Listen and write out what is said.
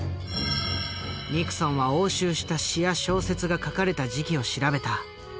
ニクソンは押収した詩や小説が書かれた時期を調べた。